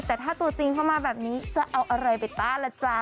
แต่ถ้าตัวจริงเข้ามาแบบนี้จะเอาอะไรไปต้านล่ะจ๊ะ